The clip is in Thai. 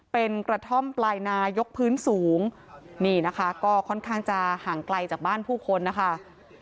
เป็นกระท่อมปลายนายกพื้นสูงนี่นะคะก็ค่อนข้างจะห่างไกลจากบ้านผู้คนนะคะ